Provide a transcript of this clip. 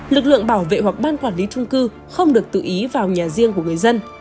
lực lượng bảo vệ hoặc ban quản lý trung cư không được tự ý vào nhà riêng của người dân